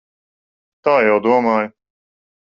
Tā jau domāju.